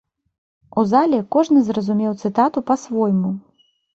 У зале кожны зразумеў цытату па-свойму.